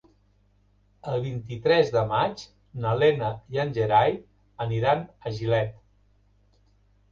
El vint-i-tres de maig na Lena i en Gerai aniran a Gilet.